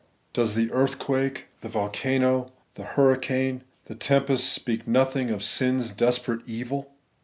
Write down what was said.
Does the earthquake, the volcano, the hurricane, the tempest, speak nothing of sin*s desperate evil